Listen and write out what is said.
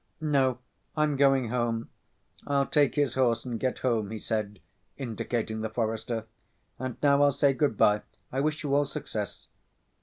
"No, I'm going home. I'll take his horse and get home," he said, indicating the forester. "And now I'll say good‐by. I wish you all success."